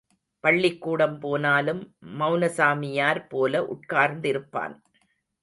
பள்ளிக்கூடம் போனாலும், மெளனசாமியார் போல உட்கார்ந்திருப்பான்.